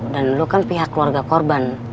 dan lo kan pihak keluarga korban